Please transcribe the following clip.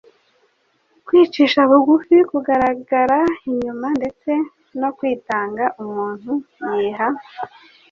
kwicisha bugufi kugaragara inyuma ndetse no kwitanga umuntu yiha,